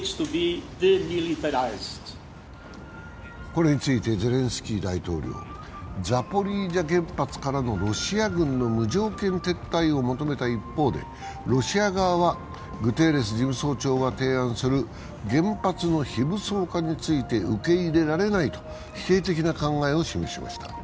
これについてゼレンスキー大統領、ザポリージャ原発からのロシア軍の無条件撤退を求めた一方でロシア側は、グテーレス事務総長が提案する原発の非武装化について受け入れられないと否定的な考えを示しました。